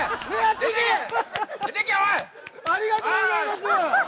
ありがとうございます。